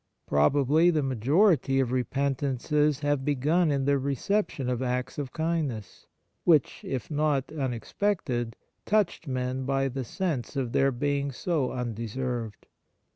Probably the majority of repentances have begun in the reception of acts of kindness, which, if not unexpected, touched men by the sense of their being so undeserved.